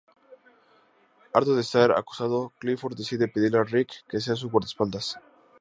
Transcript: Harto de ser acosado, Clifford decide pedirle a Ricky que sea su guardaespaldas.